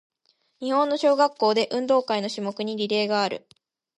日本の小学校で、運動会の種目にリレーがある。